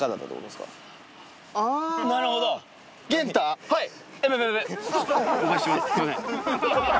すいません。